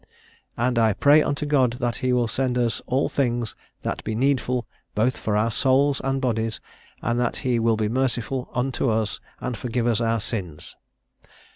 "And I pray unto God that he will send us all things that be needful both for our souls and bodies, and that he will be merciful unto to us, and forgive us our sins."